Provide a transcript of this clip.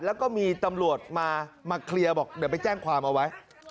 แล้วก็มีตำรวจมาเคลียร์บอกเดี๋ยวไปแจ้งความเอาไว้